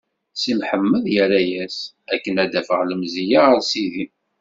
Si Mḥemmed irra-as: Akken ad afeɣ lemzeyya ɣer Sidi.